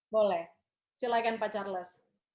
boleh silahkan pak charles